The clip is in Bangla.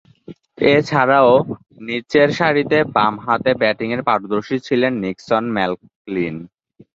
এছাড়াও, নিচেরসারিতে বামহাতে ব্যাটিংয়ে পারদর্শী ছিলেন নিক্সন ম্যাকলিন।